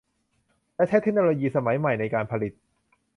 และใช้เทคโนโลยีสมัยใหม่ในการผลิต